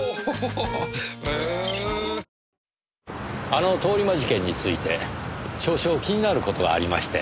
あの通り魔事件について少々気になる事がありまして。